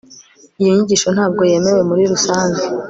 Iyo nyigisho ntabwo yemewe muri rusange